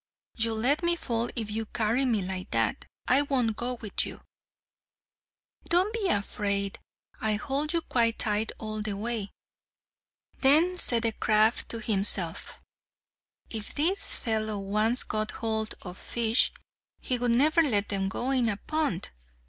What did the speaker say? "You'll let me fall if you carry me like that. I won't go with you!" "Don't be afraid! I'll hold you quite tight all the way." Then said the crab to himself, "If this fellow once got hold of fish, he would never let them go in a pond!